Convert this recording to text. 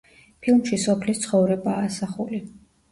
ფილმში სოფლის ცხოვრებაა ასახული.